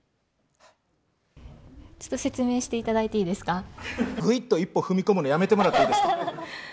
ちょっと説明していただいてぐいっと一歩踏み込むのやめてもらっていいですか。